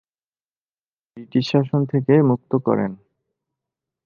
তিনি দেশকে ব্রিটিশ শাসন থেকে মুক্ত করেন।